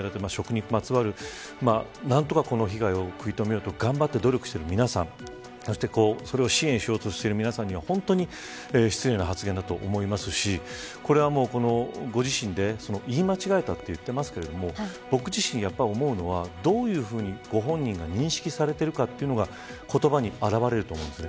食にまつわる何とかこの被害を食い止めようと頑張って努力している皆さんそして、それを支援しようとする皆さんには失礼な発言だと思いますしこれはご自身で言い間違えたと言っていますが僕自身思うのはどういうふうにご本人が認識されているかというのが言葉に現れると思うんです。